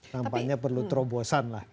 nampaknya perlu terobosan lah